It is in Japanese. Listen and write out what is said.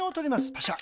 パシャ。